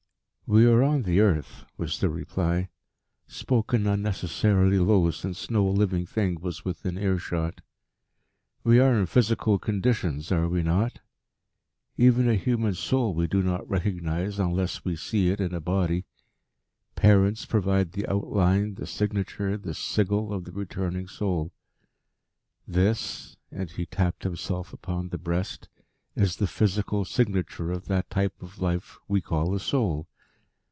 "We are on the earth," was the reply, spoken unnecessarily low since no living thing was within earshot, "we are in physical conditions, are we not? Even a human soul we do not recognise unless we see it in a body parents provide the outline, the signature, the sigil of the returning soul. This," and he tapped himself upon the breast, "is the physical signature of that type of life we call a soul.